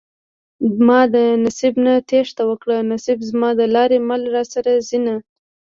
ما د نصيب نه تېښته وکړه نصيب زما د لارې مل راسره ځينه